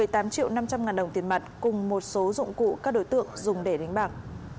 một mươi tám triệu năm trăm linh ngàn đồng tiền mặt cùng một số dụng cụ các đối tượng dùng để đánh bạc